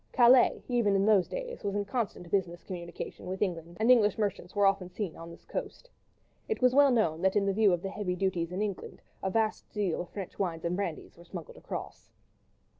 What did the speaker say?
Calais, even in those days, was in constant business communication with England, and English merchants were often to be seen on this coast. It was well known that in view of the heavy duties in England, a vast deal of French wines and brandies were smuggled across.